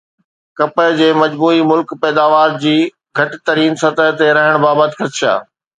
ڪپهه جي مجموعي ملڪي پيداوار جي گهٽ ترين سطح تي رهڻ بابت خدشا